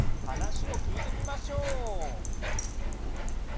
話を聞いてみましょう。